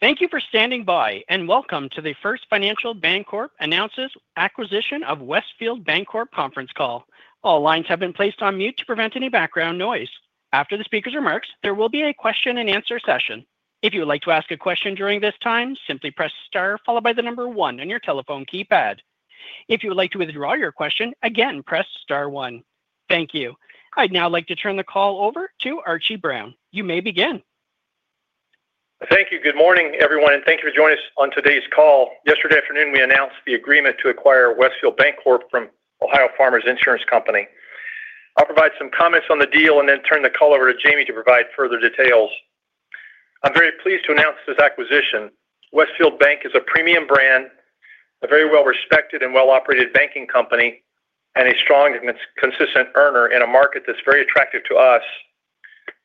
Thank you for standing by, and welcome to the First Financial Bancorp Announces Acquisition of Westfield Bancorp Conference Call. All lines have been placed on mute to prevent any background noise. After the speaker's remarks, there will be a question-and-answer session. If you would like to ask a question during this time, simply press star followed by the number one on your telephone keypad. If you would like to withdraw your question, again, press star one. Thank you. I'd now like to turn the call over to Archie Brown. You may begin. Thank you. Good morning, everyone, and thank you for joining us on today's call. Yesterday afternoon, we announced the agreement to acquire Westfield Bancorp from Ohio Farmers Insurance Company. I'll provide some comments on the deal and then turn the call over to Jamie to provide further details. I'm very pleased to announce this acquisition. Westfield Bank is a premium brand, a very well-respected and well-operated banking company, and a strong and consistent earner in a market that's very attractive to us,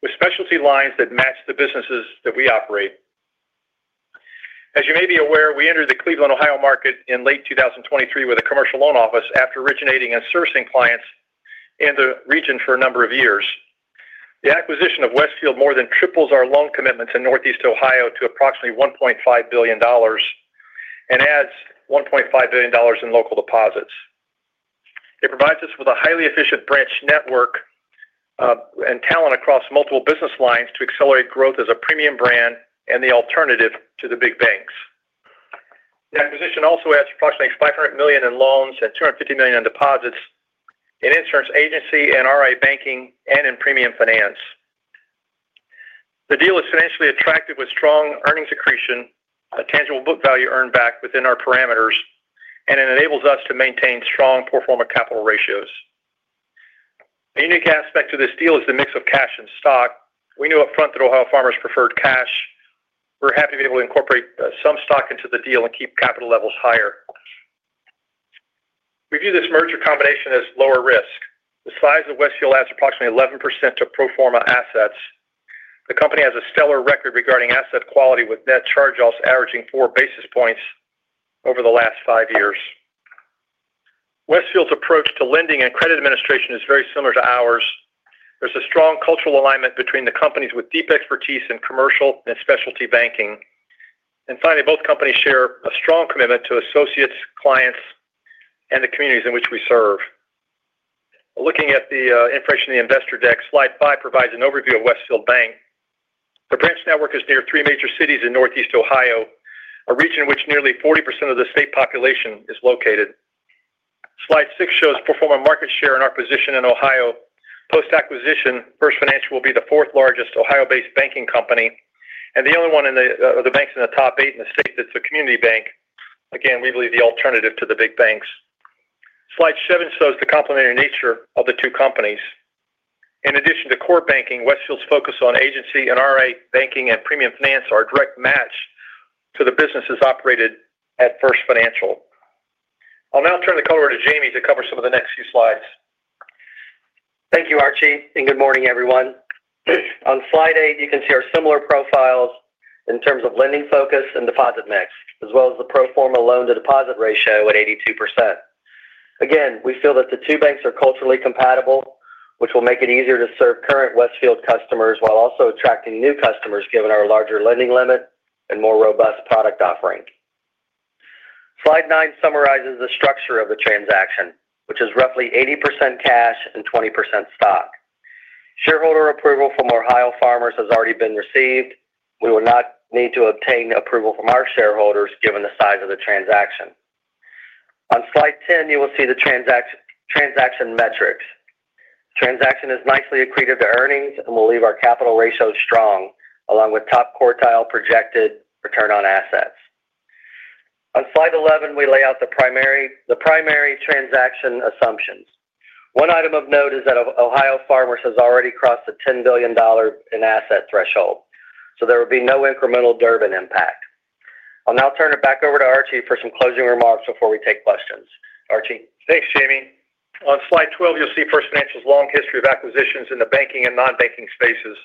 with specialty lines that match the businesses that we operate. As you may be aware, we entered the Cleveland, Ohio Market in late 2023 with a commercial loan office after originating and sourcing clients in the region for a number of years. The acquisition of Westfield more than triples our loan commitments in Northeast Ohio to approximately $1.5 billion and adds $1.5 billion in local deposits. It provides us with a highly efficient branch network and talent across multiple business lines to accelerate growth as a premium brand and the alternative to the big banks. The acquisition also adds approximately $500 million in loans and $250 million in deposits in insurance agency and RIA banking and in premium finance. The deal is financially attractive with strong earnings accretion, a tangible book value earn-back within our parameters, and it enables us to maintain strong pro forma capital ratios. A unique aspect of this deal is the mix of cash and stock. We knew upfront that Ohio Farmers preferred cash. We're happy to be able to incorporate some stock into the deal and keep capital levels higher. We view this merger combination as lower risk. The size of Westfield adds approximately 11% to pro forma assets. The company has a stellar record regarding asset quality with net charge-offs averaging four basis points over the last five years. Westfield's approach to lending and credit administration is very similar to ours. There is a strong cultural alignment between the companies with deep expertise in commercial and specialty banking. Finally, both companies share a strong commitment to associates, clients, and the communities in which we serve. Looking at the information in the investor deck, slide five provides an overview of Westfield Bank. The branch network is near three major cities in Northeast Ohio, a region in which nearly 40% of the state population is located. Slide six shows pro forma market share in our position in Ohio. Post-acquisition, First Financial will be the fourth-largest Ohio-based banking company and the only one of the banks in the top eight in the state that is a community bank. Again, we believe the alternative to the big banks. Slide seven shows the complementary nature of the two companies. In addition to core banking, Westfield's focus on agency and RIA banking and premium finance are a direct match to the businesses operated at First Financial. I'll now turn the call over to Jamie to cover some of the next few slides. Thank you, Archie, and good morning, everyone. On slide eight, you can see our similar profiles in terms of lending focus and deposit mix, as well as the pro forma loan-to-deposit ratio at 82%. Again, we feel that the two banks are culturally compatible, which will make it easier to serve current Westfield customers while also attracting new customers given our larger lending limit and more robust product offering. Slide nine summarizes the structure of the transaction, which is roughly 80% cash and 20% stock. Shareholder approval from Ohio Farmers has already been received. We will not need to obtain approval from our shareholders given the size of the transaction. On slide 10, you will see the transaction metrics. The transaction is nicely accretive to earnings and will leave our capital ratio strong, along with top quartile projected return on assets. On slide 11, we lay out the primary transaction assumptions. One item of note is that Ohio Farmers has already crossed the $10 billion in asset threshold, so there will be no incremental Durbin impact. I'll now turn it back over to Archie for some closing remarks before we take questions. Archie. Thanks, Jamie. On slide 12, you'll see First Financial's long history of acquisitions in the banking and non-banking spaces.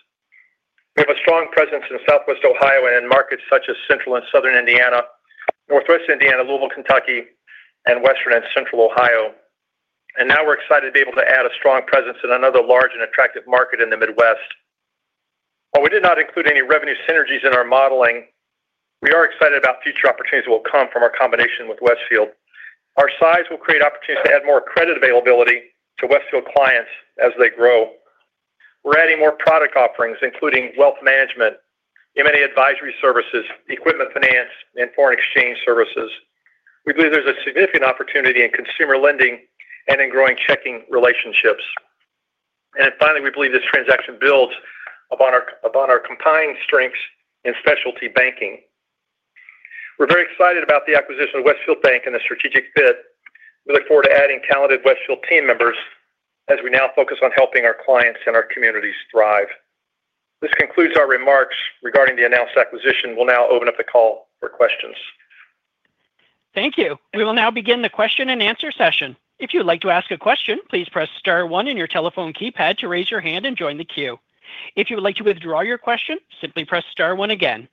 We have a strong presence in Southwest Ohio and in markets such as Central and Southern Indiana, Northwest Indiana, Louisville, Kentucky, and Western and Central Ohio. We are excited to be able to add a strong presence in another large and attractive market in the Midwest. While we did not include any revenue synergies in our modeling, we are excited about future opportunities that will come from our combination with Westfield. Our size will create opportunities to add more credit availability to Westfield clients as they grow. We're adding more product offerings, including wealth management, M&A advisory services, equipment finance, and foreign exchange services. We believe there's a significant opportunity in consumer lending and in growing checking relationships. We believe this transaction builds upon our combined strengths in specialty banking. We're very excited about the acquisition of Westfield Bank and the strategic fit. We look forward to adding talented Westfield team members as we now focus on helping our clients and our communities thrive. This concludes our remarks regarding the announced acquisition. We'll now open up the call for questions. Thank you. We will now begin the question-and-answer session. If you'd like to ask a question, please press star one on your telephone keypad to raise your hand and join the queue. If you would like to withdraw your question, simply press star one again.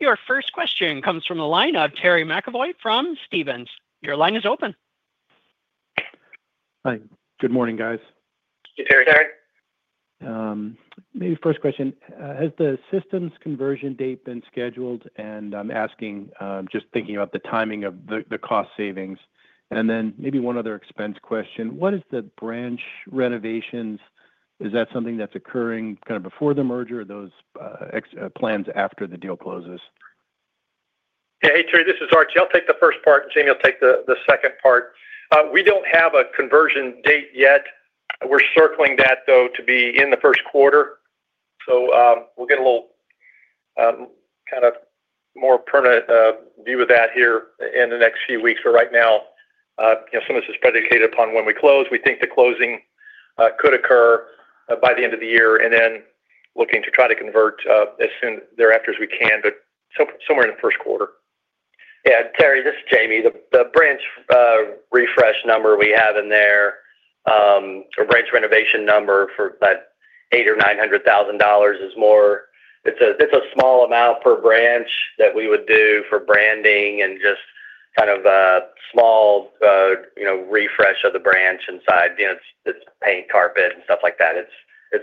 Your first question comes from the line of Terry McEvoy from Stephens. Your line is open. Hi. Good morning, guys. Hey, Terry. Terry. Maybe first question. Has the systems conversion date been scheduled? I am asking, just thinking about the timing of the cost savings. Maybe one other expense question. What is the branch renovations? Is that something that is occurring kind of before the merger or are those plans after the deal closes? Hey, Terry, this is Archie. I'll take the first part, and Jamie will take the second part. We don't have a conversion date yet. We're circling that, though, to be in the first quarter. We'll get a little kind of more permanent view of that here in the next few weeks. Right now, some of this is predicated upon when we close. We think the closing could occur by the end of the year and then looking to try to convert as soon thereafter as we can, but somewhere in the first quarter. Yeah. Terry, this is Jamie. The branch refresh number we have in there, or branch renovation number for that $800,000 or $900,000 is more, it's a small amount per branch that we would do for branding and just kind of a small refresh of the branch inside. It's paint, carpet, and stuff like that. It's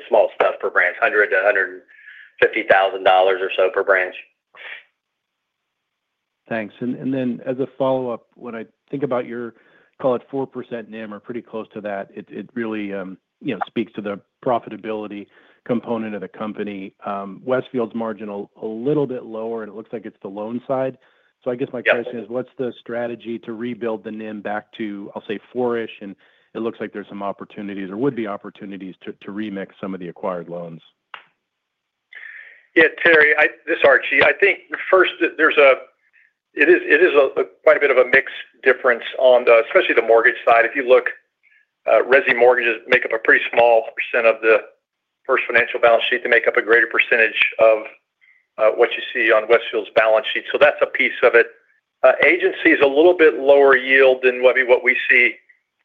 small stuff per branch, $100,000-$150,000 or so per branch. Thanks. Then as a follow-up, when I think about your, call it 4% NIM, or pretty close to that, it really speaks to the profitability component of the company. Westfield's margin a little bit lower, and it looks like it's the loan side. I guess my question is, what's the strategy to rebuild the NIM back to, I'll say, four-ish? It looks like there's some opportunities or would be opportunities to remix some of the acquired loans. Yeah, Terry, this is Archie. I think first, it is quite a bit of a mixed difference on the, especially the mortgage side. If you look, Resi mortgages make up a pretty small percent of the First Financial balance sheet. They make up a greater percentage of what you see on Westfield's balance sheet. That is a piece of it. Agency is a little bit lower yield than maybe what we see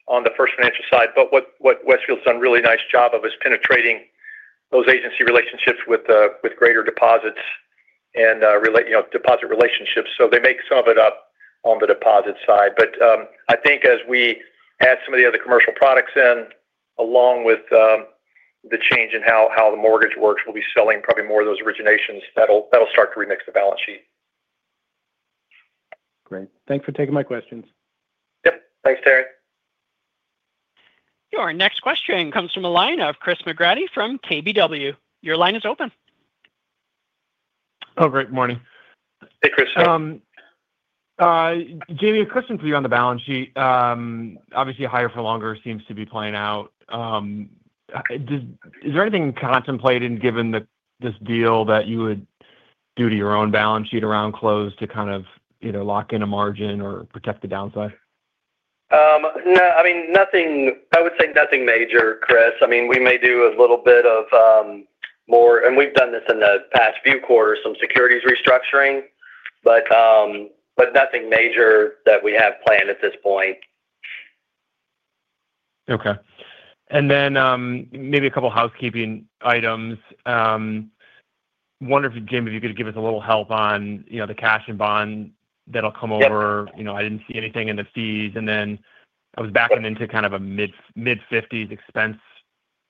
on the First Financial side. What Westfield's done a really nice job of is penetrating those agency relationships with greater deposits and deposit relationships. They make some of it up on the deposit side. I think as we add some of the other commercial products in, along with the change in how the mortgage works, we'll be selling probably more of those originations. That will start to remix the balance sheet. Great. Thanks for taking my questions. Yep. Thanks, Terry. Your next question comes from Chris McGratty from KBW. Your line is open. Oh, great. Morning. Hey, Chris. Jamie, a question for you on the balance sheet. Obviously, higher for longer seems to be playing out. Is there anything contemplated given this deal that you would do to your own balance sheet around close to kind of either lock in a margin or protect the downside? No. I mean, I would say nothing major, Chris. I mean, we may do a little bit more—and we've done this in the past few quarters—some securities restructuring, but nothing major that we have planned at this point. Okay. And then maybe a couple of housekeeping items. Wonder if, Jamie, if you could give us a little help on the cash and bond that'll come over. I didn't see anything in the fees. I was backing into kind of a mid-50s expense,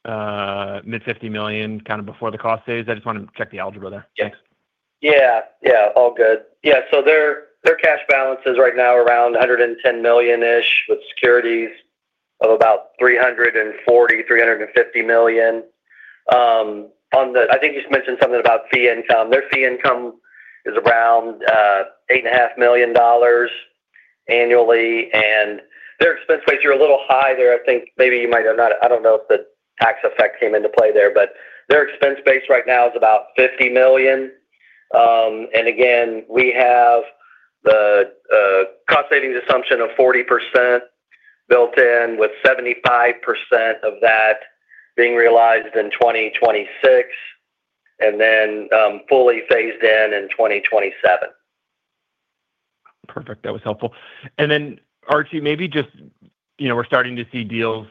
mid-$50 million kind of before the cost saves. I just wanted to check the algebra there. Thanks. Yeah. Yeah. All good. Yeah. Their cash balance is right now around $110 million-ish with securities of about $340-$350 million. I think you mentioned something about fee income. Their fee income is around $8.5 million annually. Their expense rates are a little high there. I think maybe you might have—I do not know if the tax effect came into play there, but their expense base right now is about $50 million. Again, we have the cost savings assumption of 40% built in, with 75% of that being realized in 2026 and then fully phased in in 2027. Perfect. That was helpful. Archie, maybe just we're starting to see deals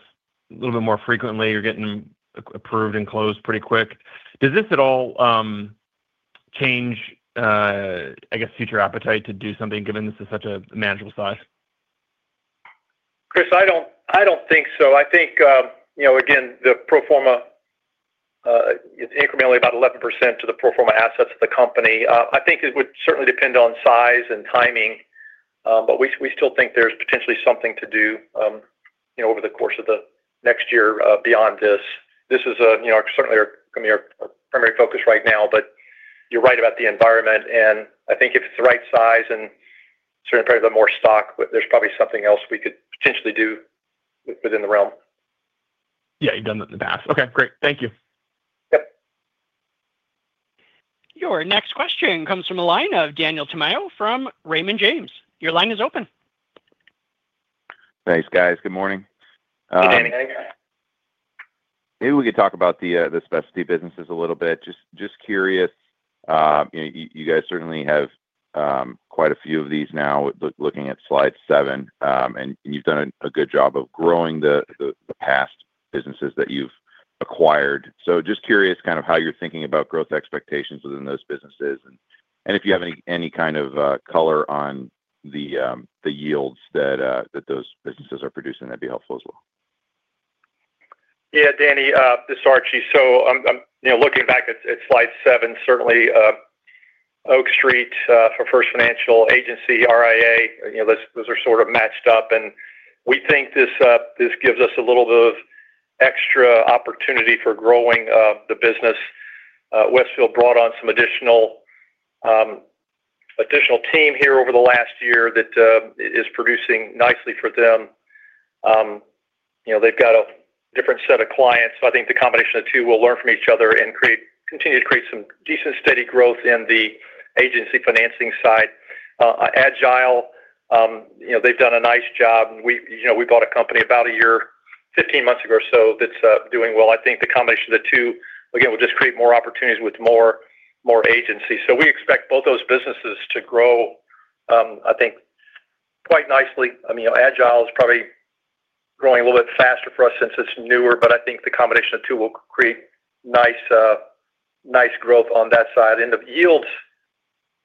a little bit more frequently. You're getting approved and closed pretty quick. Does this at all change, I guess, future appetite to do something given this is such a manageable size? Chris, I don't think so. I think, again, the pro forma is incrementally about 11% to the pro forma assets of the company. I think it would certainly depend on size and timing, but we still think there's potentially something to do over the course of the next year beyond this. This is certainly going to be our primary focus right now, but you're right about the environment. I think if it's the right size and certainly probably the more stock, there's probably something else we could potentially do within the realm. Yeah. You've done that in the past. Okay. Great. Thank you. Yep. Your next question comes from Daniel Tamayo from Raymond James. Your line is open. Thanks, guys. Good morning. Hey, Danny. Maybe we could talk about the specialty businesses a little bit. Just curious. You guys certainly have quite a few of these now, looking at slide seven, and you've done a good job of growing the past businesses that you've acquired. Just curious kind of how you're thinking about growth expectations within those businesses and if you have any kind of color on the yields that those businesses are producing. That'd be helpful as well. Yeah, Danny. This is Archie. Looking back at slide seven, certainly Oak Street for First Financial, agency, RIA, those are sort of matched up. We think this gives us a little bit of extra opportunity for growing the business. Westfield brought on some additional team here over the last year that is producing nicely for them. They've got a different set of clients. I think the combination of the two will learn from each other and continue to create some decent steady growth in the agency financing side. Agile, they've done a nice job. We bought a company about a year, 15 months ago or so, that's doing well. I think the combination of the two, again, will just create more opportunities with more agency. We expect both those businesses to grow, I think, quite nicely. I mean, Agile is probably growing a little bit faster for us since it's newer, but I think the combination of the two will create nice growth on that side. And the yields,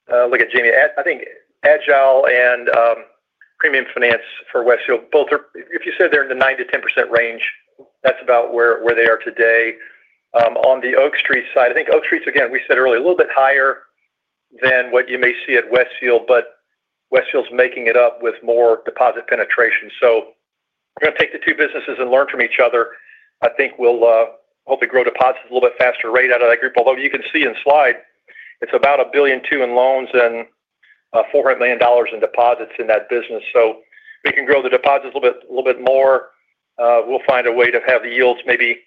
look at Jamie. I think Agile and Premium Finance for Westfield, both are, if you said they're in the 9-10% range, that's about where they are today. On the Oak Street side, I think Oak Street's, again, we said earlier, a little bit higher than what you may see at Westfield, but Westfield's making it up with more deposit penetration. So we're going to take the two businesses and learn from each other. I think we'll hopefully grow deposits a little bit faster rate out of that group. Although you can see in slide, it's about $1.2 billion in loans and $400 million in deposits in that business. We can grow the deposits a little bit more. We'll find a way to have the yields maybe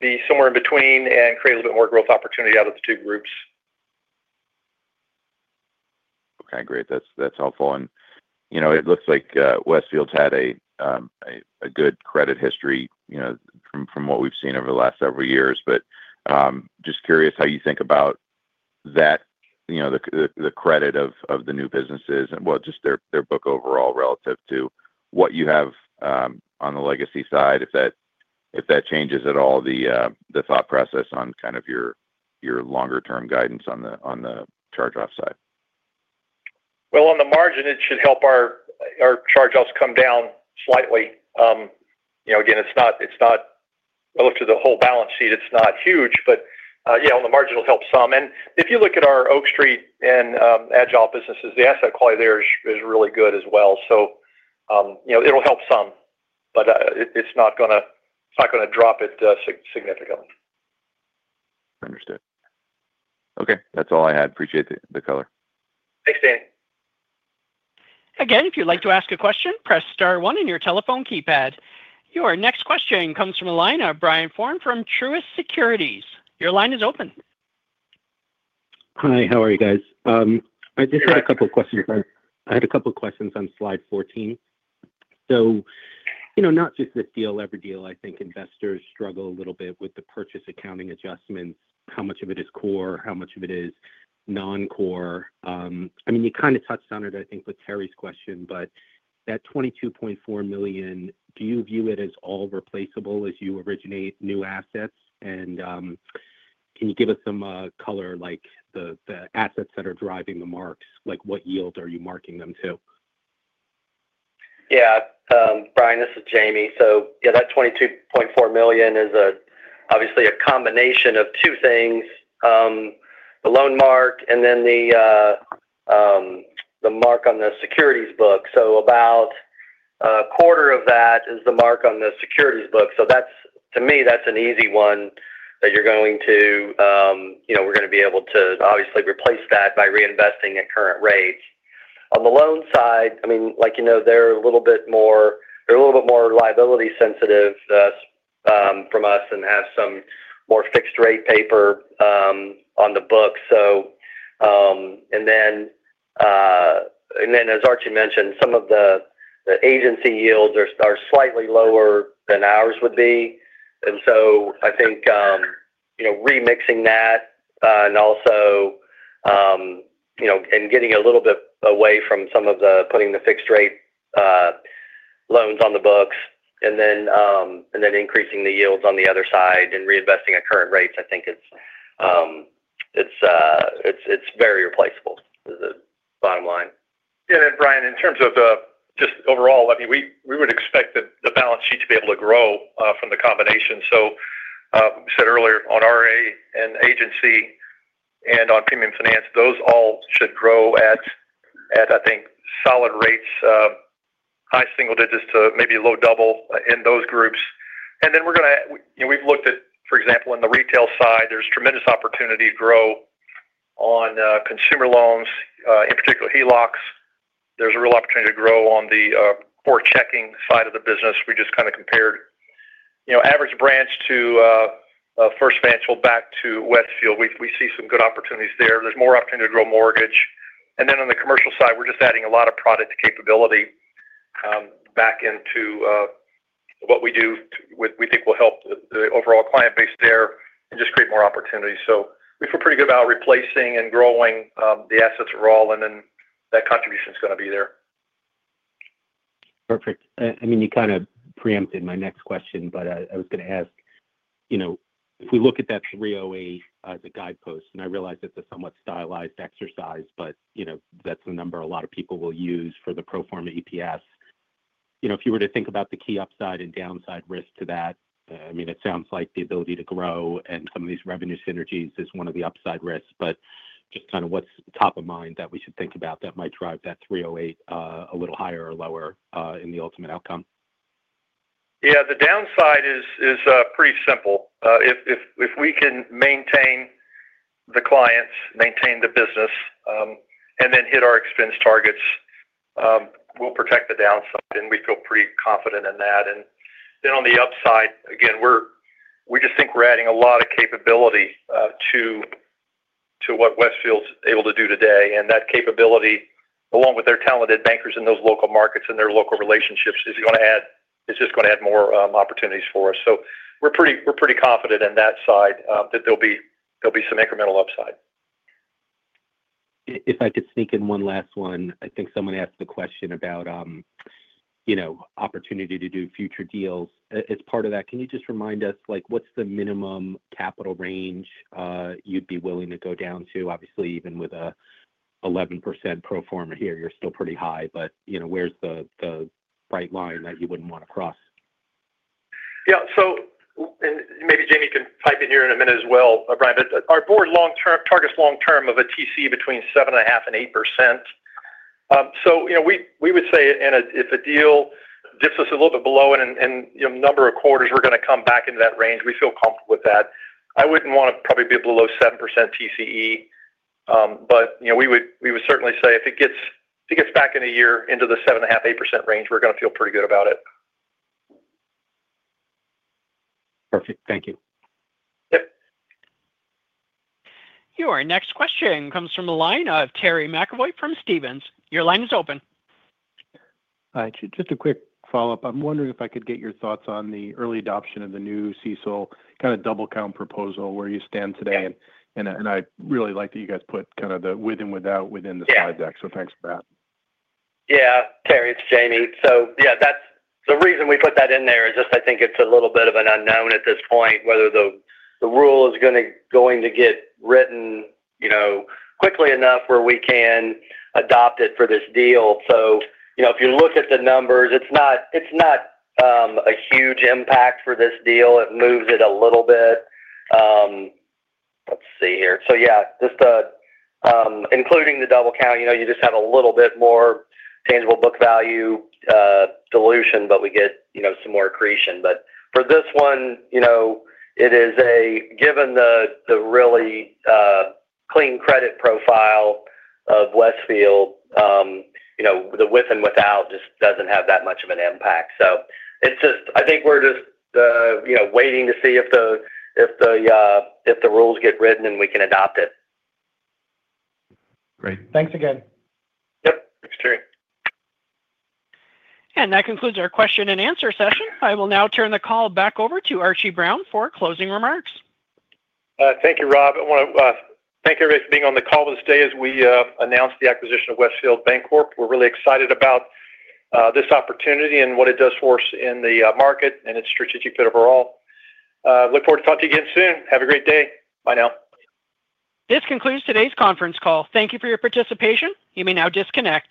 be somewhere in between and create a little bit more growth opportunity out of the two groups. Okay. Great. That's helpful. It looks like Westfield's had a good credit history from what we've seen over the last several years. Just curious how you think about that, the credit of the new businesses and, just their book overall relative to what you have on the legacy side, if that changes at all the thought process on kind of your longer-term guidance on the charge-off side. On the margin, it should help our charge-offs come down slightly. Again, it's not—when I looked at the whole balance sheet, it's not huge, but yeah, on the margin, it'll help some. If you look at our Oak Street and Agile businesses, the asset quality there is really good as well. It'll help some, but it's not going to drop it significantly. Understood. Okay. That's all I had. Appreciate the color. Thanks, Danny. Again, if you'd like to ask a question, press star one on your telephone keypad. Your next question comes from Brian Foran from Truist Securities. Your line is open. Hi. How are you guys? I just had a couple of questions. I had a couple of questions on slide 14. Not just this deal, every deal, I think investors struggle a little bit with the purchase accounting adjustments, how much of it is core, how much of it is non-core. I mean, you kind of touched on it, I think, with Terry's question, but that $22.4 million, do you view it as all replaceable as you originate new assets? Can you give us some color, like the assets that are driving the marks, like what yield are you marking them to? Yeah. Brian, this is Jamie. Yeah, that $22.4 million is obviously a combination of two things: the loan mark and then the mark on the securities book. About a quarter of that is the mark on the securities book. To me, that's an easy one that you're going to—we're going to be able to obviously replace that by reinvesting at current rates. On the loan side, I mean, like you know, they're a little bit more—they're a little bit more liability sensitive from us and have some more fixed-rate paper on the book. As Archie mentioned, some of the agency yields are slightly lower than ours would be. I think remixing that and also getting a little bit away from some of the putting the fixed-rate loans on the books and then increasing the yields on the other side and reinvesting at current rates, I think it's very replaceable is the bottom line. Yeah. And then, Brian, in terms of just overall, I mean, we would expect the balance sheet to be able to grow from the combination. I said earlier on RIA and agency and on premium finance, those all should grow at, I think, solid rates, high single digits to maybe low double in those groups. We have looked at, for example, on the retail side, there is tremendous opportunity to grow on consumer loans, in particular, HELOCs. There is a real opportunity to grow on the core checking side of the business. We just kind of compared average branch to First Financial back to Westfield. We see some good opportunities there. There is more opportunity to grow mortgage. And then on the commercial side, we are just adding a lot of product capability back into what we do. We think we'll help the overall client base there and just create more opportunity. We feel pretty good about replacing and growing the assets overall, and then that contribution is going to be there. Perfect. I mean, you kind of pre-empted my next question, but I was going to ask, if we look at that 308 as a guidepost, and I realize it's a somewhat stylized exercise, but that's a number a lot of people will use for the pro forma EPS. If you were to think about the key upside and downside risk to that, I mean, it sounds like the ability to grow and some of these revenue synergies is one of the upside risks, but just kind of what's top of mind that we should think about that might drive that 308 a little higher or lower in the ultimate outcome? Yeah. The downside is pretty simple. If we can maintain the clients, maintain the business, and then hit our expense targets, we'll protect the downside, and we feel pretty confident in that. On the upside, again, we just think we're adding a lot of capability to what Westfield's able to do today. That capability, along with their talented bankers in those local markets and their local relationships, is just going to add more opportunities for us. We are pretty confident in that side that there'll be some incremental upside. If I could sneak in one last one, I think someone asked the question about opportunity to do future deals. As part of that, can you just remind us what's the minimum capital range you'd be willing to go down to? Obviously, even with an 11% pro forma here, you're still pretty high, but where's the bright line that you wouldn't want to cross? Yeah. Maybe Jamie can pipe in here in a minute as well, Brian, but our board targets long-term of a TCE between 7.5-8%. We would say, and if a deal dips us a little bit below it in a number of quarters, we are going to come back into that range. We feel comfortable with that. I would not want to probably be below 7% TCE, but we would certainly say if it gets back in a year into the 7.5-8% range, we are going to feel pretty good about it. Perfect. Thank you. Yep. Your next question comes from Terry McEvoy from Stephens. Your line is open. Hi. Just a quick follow-up. I'm wondering if I could get your thoughts on the early adoption of the new CECL kind of double-count proposal where you stand today. I really like that you guys put kind of the with and without within the slide deck. Thanks for that. Yeah. Terry, it's Jamie. Yeah, the reason we put that in there is just I think it's a little bit of an unknown at this point whether the rule is going to get written quickly enough where we can adopt it for this deal. If you look at the numbers, it's not a huge impact for this deal. It moves it a little bit. Let's see here. Yeah, just including the double-count, you just have a little bit more tangible book value dilution, but we get some more accretion. For this one, given the really clean credit profile of Westfield, the with and without just does not have that much of an impact. I think we're just waiting to see if the rules get written and we can adopt it. Great. Thanks again. Yep. Thanks, Terry. That concludes our question and answer session. I will now turn the call back over to Archie Brown for closing remarks. Thank you, Rob. I want to thank everybody for being on the call today as we announced the acquisition of Westfield Bancorp. We're really excited about this opportunity and what it does for us in the market and its strategic fit overall. Look forward to talking to you again soon. Have a great day. Bye now. This concludes today's conference call. Thank you for your participation. You may now disconnect.